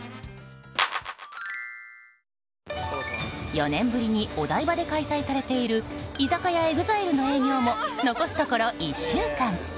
４年ぶりにお台場で開催されている居酒屋えぐざいるの営業も残すところ１週間。